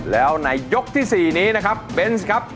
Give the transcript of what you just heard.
แล้วในยกที่๔นี้นะครับเบนส์ครับ